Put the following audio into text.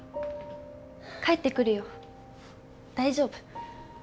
帰ってくるよ大丈夫。